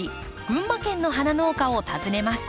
群馬県の花農家を訪ねます。